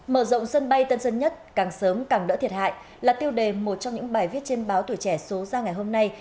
mở rộng sân bay tân sơn nhất càng sớm càng đỡ thiệt hại là tiêu đề một trong những bài viết trên báo tuổi trẻ số ra ngày hôm nay